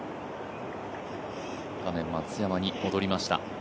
画面、松山に戻りました。